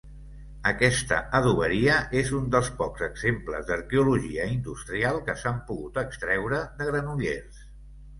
Aquesta adoberia és un dels pocs exemples d'arqueologia industrial que s'han pogut extreure de Granollers.